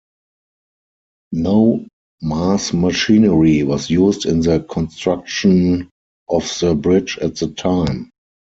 No mass machinery was used in the construction of the bridge at the time.